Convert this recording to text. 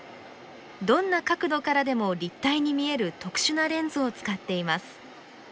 どんな角度からでも立体に見える特殊なレンズを使っています。